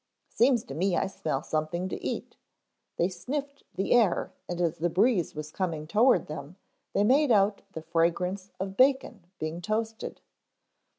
Seems to me I smell something to eat " They sniffed the air and as the breeze was coming toward them they made out the fragrance of bacon being toasted.